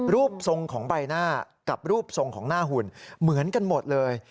รูปทรงของใบหน้ากับรูปทรงของหน้าหุ่นเหมือนกันหมดเลย